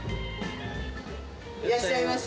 いらっしゃいませ。